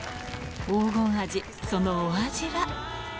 黄金アジそのお味は？